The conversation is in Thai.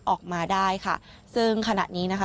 ออกมาได้ค่ะซึ่งขณะนี้นะคะ